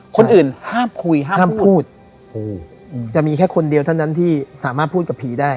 คนอื่นห้ามคุยห้ามห้ามพูดจะมีแค่คนเดียวเท่านั้นที่สามารถพูดกับผีได้